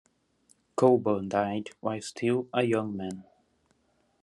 Colban died while still a young man.